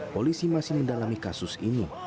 polisi masih mendalami kasus ini